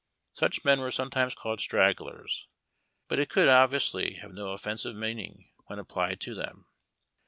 Such men were sometimes called stragglers; but it could, obviously, have no offensive meaning when applied to them.